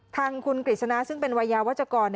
ทางคุณกฤษณาซึ่งเป็นวัยยาวัชกร